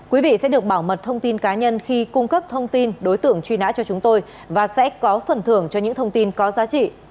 quý vị sẽ được bảo mật thông tin cá nhân khi cung cấp thông tin đối tượng truy nã cho chúng tôi và sẽ có phần thưởng cho những thông tin có giá trị